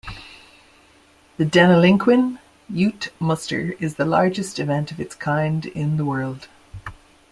The Deniliquin Ute Muster is the largest event of its kind in the world.